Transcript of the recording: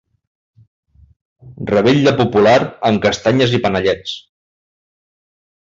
Revetlla popular amb castanyes i panellets.